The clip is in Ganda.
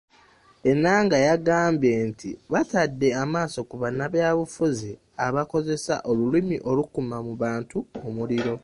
Ennanga yagambye nti batadde amaaso ku bannabyabufuzi abakozesa olulimi olukuma mu bantu omuliro .